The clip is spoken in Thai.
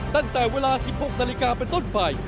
ตั้งแต่เวลา๑๖นาฬิกาเป็นต้นไป